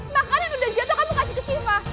makanan udah jatoh kamu kasih ke shiva